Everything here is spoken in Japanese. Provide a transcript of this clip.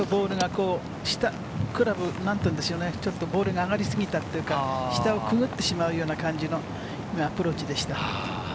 ちょっとボールが上がりすぎたというか、下をくぐってしまうような感じのアプローチでした。